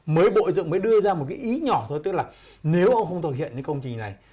mới bộ dựng mới đưa ra một cái ý nhỏ thôi tức là nếu ông không thực hiện những công trình này